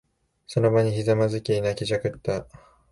その場にひざまずき、泣きじゃくった。